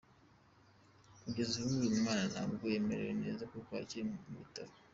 Kugeza ubu, uyu mwana ntabwo amerewe neza kuko akiri mu bitaro.